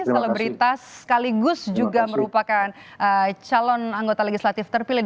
selebritas sekaligus juga merupakan calon anggota legislatif terpilih